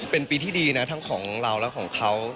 เป็นปีที่ดีนะทั้งของเราและของเขา